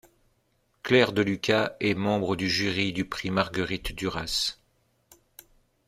Claire Deluca est membre du jury du Prix Marguerite-Duras.